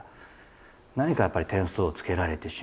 何かやっぱり点数をつけられてしまう。